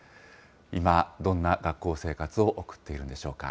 今、どんな学校生活を送っているんでしょうか。